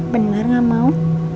bener gak mau